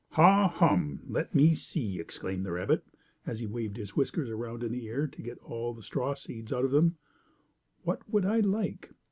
"Ha, hum! Let me see," exclaimed the rabbit, as he waved his whiskers around in the air to get all the straw seeds out of them: "what would I like?